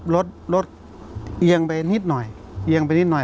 รถเอียงไปนิดหน่อย